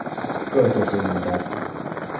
Költöző madár.